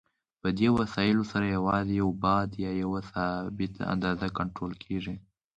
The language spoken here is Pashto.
په دې وسایلو سره یوازې یو بعد یا یوه ثابته اندازه کنټرول کېږي.